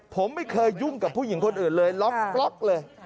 ผมไม่เคยยุ่งกับผู้หญิงคนอื่นเลยล็อกเลย